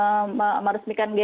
gnwu tapi tidak ada tindakan konkret